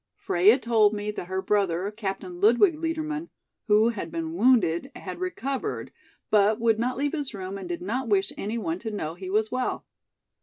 "Freia told me that her brother, Captain Ludwig Liedermann, who had been wounded, had recovered, but would not leave his room and did not wish any one to know he was well.